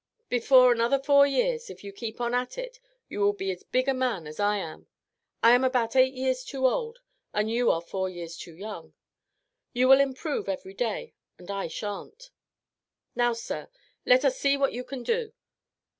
Before another four years, if you keep on at it, you will be as big a man as I am. I am about eight years too old, and you are four years too young. You will improve every day, and I shan't. Now, sir, let us see what you can do.